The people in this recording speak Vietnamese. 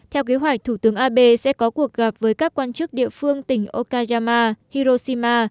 theo kế hoạch thủ tướng abe sẽ có cuộc gặp với các quan chức địa phương tỉnh okayama hiroshima